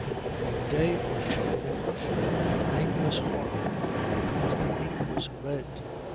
For a day or two they were filled with nameless horror because the ink was red.